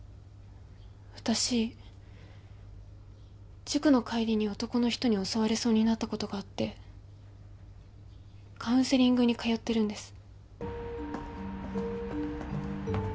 私塾の帰りに男の人に襲われそうになったことがあってカウンセリングに通ってるんです。